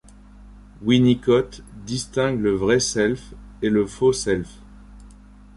Winnicott distingue le vrai self et le faux self.